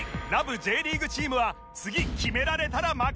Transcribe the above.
Ｊリーグチームは次決められたら負けが確定！